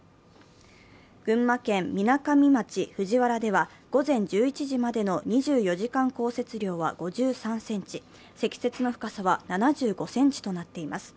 群馬県みなかみ町藤原では午前１１時までの２４時間降雪量は５３ｃｍ、積雪の深さは７５ｃｍとなっています。